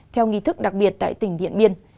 theo nghị thức đặc biệt tại tỉnh điện biên